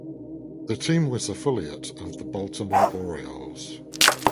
The team was affiliate of the Baltimore Orioles.